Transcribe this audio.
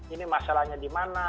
ini masalahnya dimana